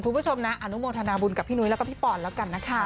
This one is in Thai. คุณผู้ชมนะอนุโมทนาบุญกับพี่นุ้ยแล้วก็พี่ปอนแล้วกันนะคะ